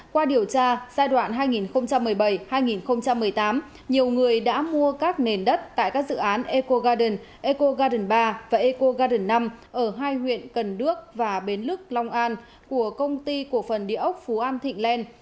qua điều tra giai đoạn hai nghìn một mươi bảy hai nghìn một mươi tám nhiều người đã mua các nền đất tại các dự án eco garden ecogarin ba và eco garden năm ở hai huyện cần đước và bến lức long an của công ty cổ phần địa ốc phú an thịnh lên